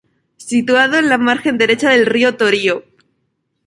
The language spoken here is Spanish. Situado en la margen derecha del Río Torío.